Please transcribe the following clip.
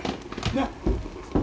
なっ。